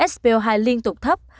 spo hai liên tục thấp